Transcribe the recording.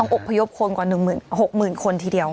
ต้องอบพยพคนกว่า๖๐๐๐๐คนทีเดียว